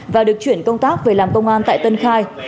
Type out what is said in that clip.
và được chuyển công tác về làm công an tại tân khai